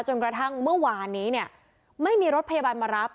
จนกระทั่งเมื่อวานนี้เนี่ยไม่มีรถพยาบาลมารับ